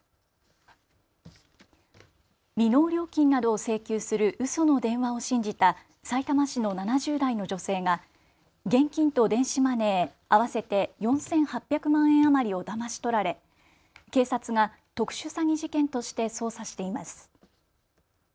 未納料金などを請求するうその電話を信じたさいたま市の７０代の女性が現金と電子マネー合わせて４８００万円余りをだまし取られ警察が特殊詐欺事件として捜査しています。